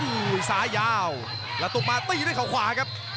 อู้ยส้ายาวและตกมาตีด้วยข่าวขวาครับ